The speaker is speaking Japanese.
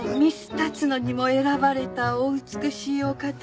龍野にも選ばれたお美しいお方で。